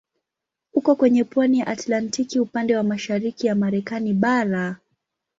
Uko kwenye pwani ya Atlantiki upande wa mashariki ya Marekani bara.